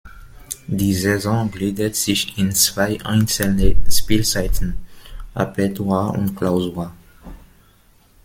Die Saison gliedert sich in zwei einzelne Spielzeiten, Apertura und Clausura.